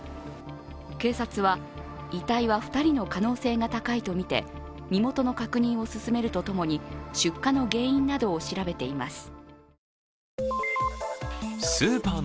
警察は遺体は２人の可能性が高いとみて身元の確認を進めるとともに出火の原因などを調べています。